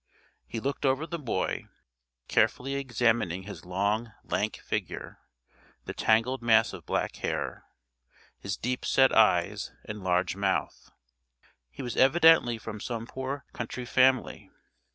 He looked over the boy, carefully examining his long, lank figure, the tangled mass of black hair, his deep set eyes, and large mouth. He was evidently from some poor country family.